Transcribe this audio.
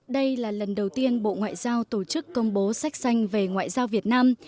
đây là lần đầu tiên bộ ngoại giao tổ chức công bố sách xanh về ngoại giao việt nam